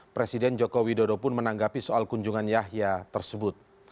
presiden jokowi dodo pun menanggapi soal kunjungan yahya tersebut